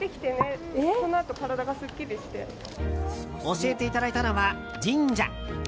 教えていただいたのは、神社。